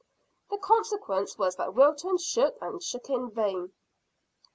The consequence was that Wilton shook and shook in vain.